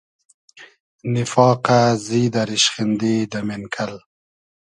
نیفاقۂ ، زیدۂ ، ریشخیندی دۂ مېنکئل